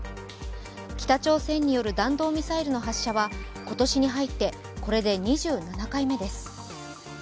北朝鮮による弾道ミサイルの発射は今年に入ってこれで２７回目です。